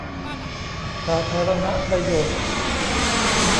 สาธารณประโยชน์